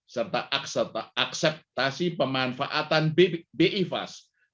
serta akseptasi pemanfaatan bifas